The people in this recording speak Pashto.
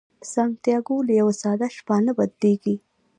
سانتیاګو له یوه ساده شپانه بدلیږي.